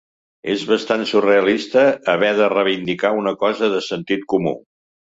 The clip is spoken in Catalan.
És bastant surrealista haver de reivindicar una cosa de sentit comú.